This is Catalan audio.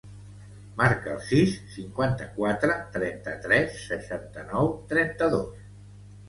Marca el sis, cinquanta-quatre, trenta-tres, seixanta-nou, trenta-dos.